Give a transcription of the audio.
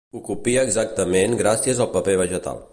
Ho copia exactament gràcies al paper vegetal.